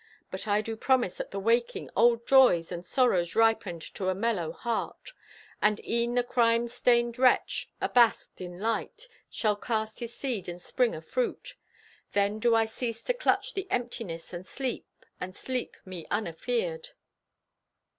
But I do promise at the waking, Old joys, and sorrows ripened to a mellow heart. And e'en the crime stained wretch, abasked in light, Shall cast his seed and spring afruit! Then do I cease to clutch the emptiness And sleep, and sleep me unafeared!